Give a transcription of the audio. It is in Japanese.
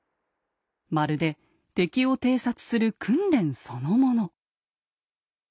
まるで敵を偵察する訓練そのもの。